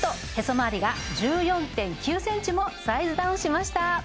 まわりが１４．９センチもサイズダウンしました